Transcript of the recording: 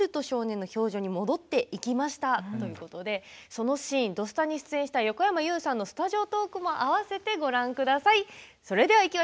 そのシーン「土スタ」に出演した横山裕さんのスタジオトークも合わせてご覧ください。